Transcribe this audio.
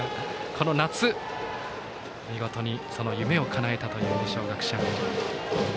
この夏、見事にその夢をかなえた二松学舎。